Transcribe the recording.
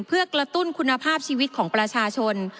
เพื่อกระตุ้นคุณภาพชีวิตของประชาชน